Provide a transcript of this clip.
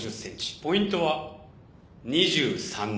ポイントは２３年。